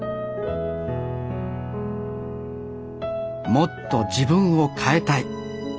「もっと自分を変えたい」。